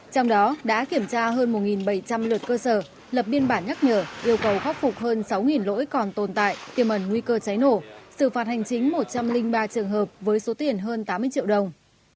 trong đó đã kiểm tra hơn một bảy trăm linh lượt cơ sở lập biên bản nhắc nhở yêu cầu khắc phục hơn sáu lỗi còn tồn tại tiềm ẩn nguy cơ cháy nổ xử phạt hành chính một trăm linh ba trường hợp với số tiền hơn tám mươi triệu đồng